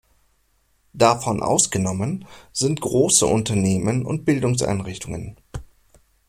Davon ausgenommen sind große Unternehmen und Bildungseinrichtungen.